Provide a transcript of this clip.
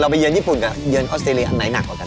ไปเยือนญี่ปุ่นกับเยือนออสเตรเลียอันไหนหนักกว่ากัน